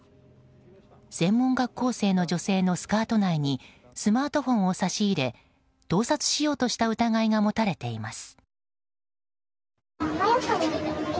専門学校生の女性のスカート内にスマートフォンを差し入れ盗撮しようとした疑いが持たれています。